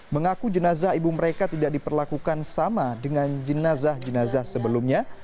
mengaku jenazah ibu mereka tidak diperlakukan sama dengan jenazah jenazah sebelumnya